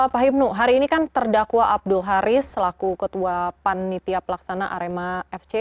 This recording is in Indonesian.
pak hipnu hari ini kan terdakwa abdul haris selaku ketua panitia pelaksana arema fc